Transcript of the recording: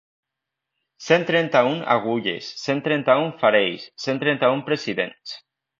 Cent trenta-una agulles, cent trenta-un farells, cent trenta-un presidents.